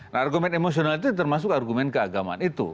nah argumen emosional itu termasuk argumen keagamaan itu